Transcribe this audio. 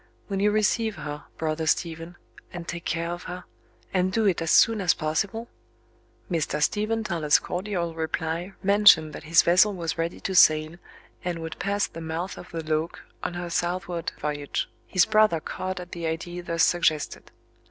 Will you receive her, brother Stephen? and take care of her? and do it as soon as possible?" Mr. Stephen Toller's cordial reply mentioned that his vessel was ready to sail, and would pass the mouth of The Loke on her southward voyage. His brother caught at the idea thus suggested.